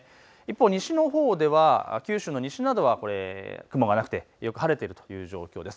一方、西のほうでは九州の西などは雲がなくてよく晴れているという状況です。